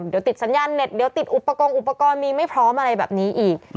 เดี๋ยวติดสัญญาณเน็ตเดี๋ยวติดอุปกรณ์อุปกรณ์มีไม่พร้อมอะไรแบบนี้อีก